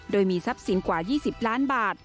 โดยมีทรัพย์สินกว่า๒๐ล้านบาท